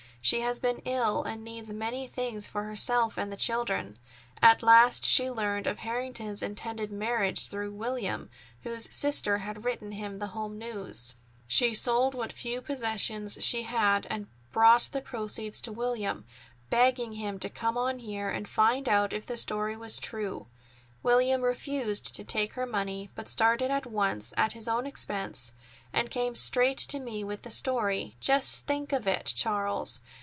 She has been ill, and needs many things for herself and the children. At last she learned of Harrington's intended marriage through William, whose sister had written him the home news. "She sold what few possessions she had and brought the proceeds to William, begging him to come on here and find out if the story was true. William refused to take her money, but started at once, at his own expense, and came straight to me with the story. Just think of it, Charles!